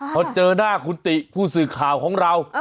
พอเจอหน้าคุณติผู้สื่อข่าวของเรา